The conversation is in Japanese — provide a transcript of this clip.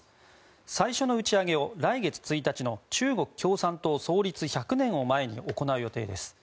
最初の打ち上げを来月１日の中国共産党創立１００年を前に行う予定です。